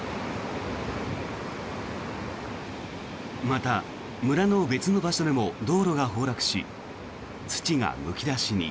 また、村の別の場所でも道路が崩落し土がむき出しに。